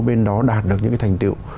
bên đó đạt được những cái thành tiệu